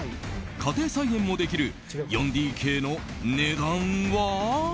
家庭菜園もできる４ＤＫの値段は。